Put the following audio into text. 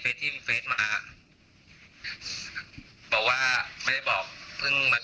เขาหงกเลยขนาดเราเป็นเพื่อนเขายังบอกตั้งแต่วันแรก